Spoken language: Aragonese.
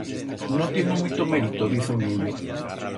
No tiengo muito merito, diz o viello.